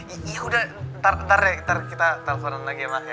iya udah ntar ntar ya ntar kita teleponin lagi ya ma